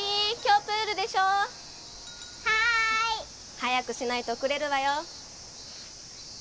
早くしないと遅れるわよ。